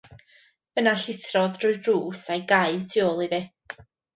Yna llithrodd drwy'r drws, a'i gau y tu ôl iddi.